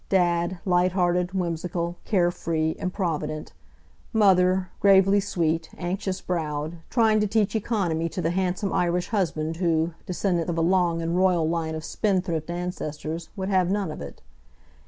Dad, light hearted, whimsical, care free, improvident; Mother, gravely sweet, anxious browed, trying to teach economy to the handsome Irish husband who, descendant of a long and royal line of spendthrift ancestors, would have none of it.